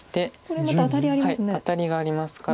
これまたアタリありますね。